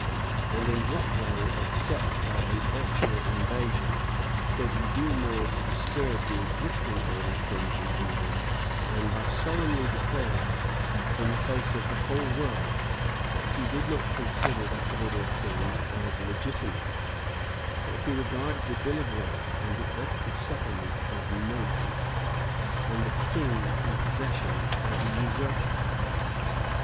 And in what way, except by an actual invasion, could he do more to disturb the existing order of things in England than by solemnly declaring, in the face of the whole world, that he did not consider that order of things as legitimate, that he regarded the Bill of Rights and the Act of Settlement as nullities, and the King in possession as an usurper?